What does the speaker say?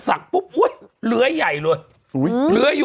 สักอุ๊ยเหลือใหญ่เลย